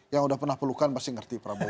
yang sudah pernah pelukan pasti mengerti prabowo